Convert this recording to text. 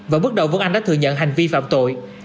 và bước đầu vân anh đã thừa nhận hành vi phạm tội